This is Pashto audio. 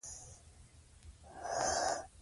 خو موږ باید حقایق بیان کړو.